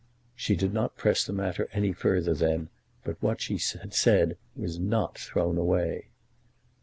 She did not press the matter any further then, but what she had said was not thrown away.